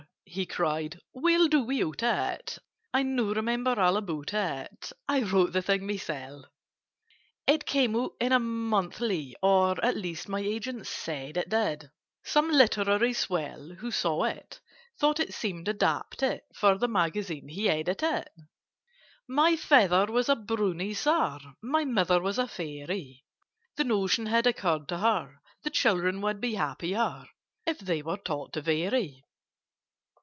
he cried. "We'll do without it: I now remember all about it; I wrote the thing myself. "It came out in a 'Monthly,' or At least my agent said it did: Some literary swell, who saw It, thought it seemed adapted for The Magazine he edited. "My father was a Brownie, Sir; My mother was a Fairy. The notion had occurred to her, The children would be happier, If they were taught to vary.